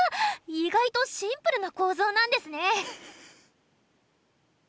意外とシンプルな構造なんですね。